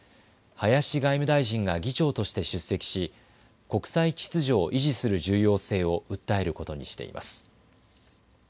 林外務大臣が議長として出席し国際秩序を維持する重要性を訴えることにしています。